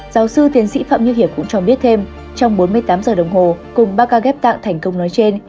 giáo sư tiến sĩ phạm như hiệp cũng cho biết thêm trong bốn mươi tám giờ đồng hồ cùng ba ca ghép tạng thành công nói trên